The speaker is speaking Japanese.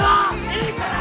いいから！